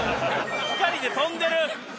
光で飛んでる！